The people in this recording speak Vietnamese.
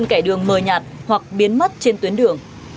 kẻ đường mờ nhạt hoặc biến mất trên tuyến đường